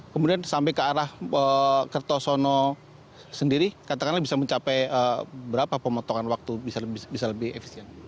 kemudian sampai ke arah kertosono sendiri katakanlah bisa mencapai berapa pemotongan waktu bisa lebih efisien